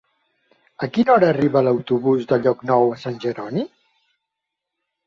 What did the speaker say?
A quina hora arriba l'autobús de Llocnou de Sant Jeroni?